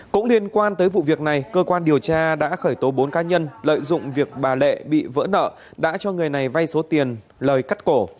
cũng liên quan tới vụ việc này cơ quan điều tra đã khởi tố bốn cá nhân lợi dụng việc bà lệ bị vỡ nợ đã cho người này vay số tiền lời cắt cổ